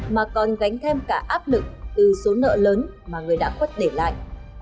mà còn gánh thêm cả áp lực từ số nợ lớn mà người đã khuất để lại